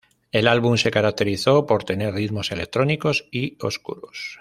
El álbum se caracterizó por tener ritmos electrónicos y oscuros.